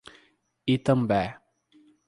Itambé